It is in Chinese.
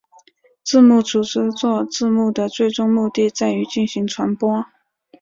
字幕组制作字幕的最终目的在于进行传播。